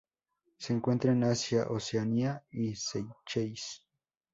Se encuentra en Asia, Oceanía y Seychelles.